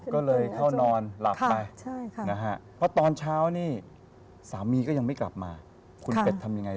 ก็เลยเข้านอนหลับไปเพราะตอนเช้านี่สามีก็ยังไม่กลับมาคุณเป็ดทำยังไง